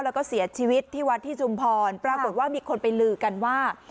แล้วก็เสียชีวิตที่วัดที่ชุมพรปรากฏว่ามีคนไปลือกันว่า